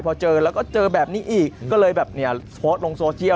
พอเจอแล้วก็เจอแบบนี้อีกก็เลยแบบเนี่ยโพสต์ลงโซเชียล